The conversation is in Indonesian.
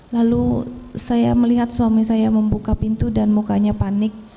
lalu saya melihat suami saya membuka pintu dan mukanya panik